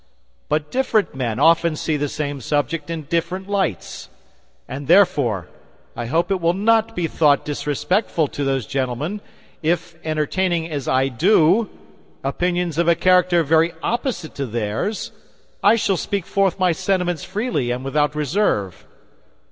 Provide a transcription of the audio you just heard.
But different men often see the same subject in different lights; and, therefore, I hope it will not be thought disrespectful to those gentlemen if, entertaining as I do opinions of a character very opposite to theirs, I shall speak forth my sentiments freely and without reserve.